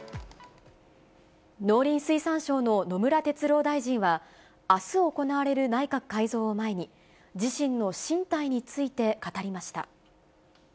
農林水産省の野村哲郎大臣は、あす行われる内閣改造を前に、自身の進退について語りました。